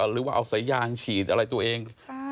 หรือว่าเอาสายยางฉีดอะไรตัวเอง